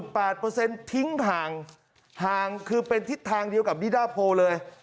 เป็นทิ้งห่างคือเป็นทิศทางเดียวกับดีด้าโพเลย